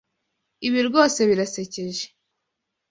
Ibi rwose birasekeje.